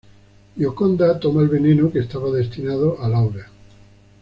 Gioconda toma el veneno que estaba destinado a Laura.